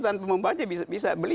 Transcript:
tentu membaca bisa beli